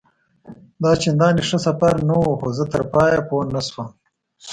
دا چنداني ښه سفر نه وو، خو زه تر پایه پوه نه شوم.